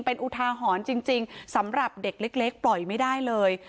เป็นอุทาหรณ์จริงสำหรับเด็กเล็กปล่อยไม่ได้เลย